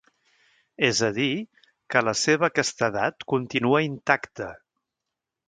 És a dir, que la seva castedat continua intacte.